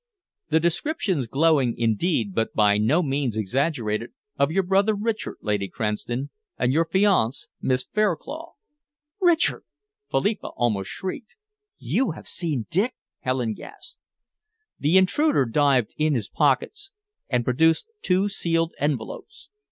"The descriptions, glowing, indeed, but by no means exaggerated, of your brother Richard, Lady Cranston, and your fiancé, Miss Fairclough." "Richard?" Philippa almost shrieked. "You have seen Dick?" Helen gasped. The intruder dived in his pockets and produced two sealed envelopes.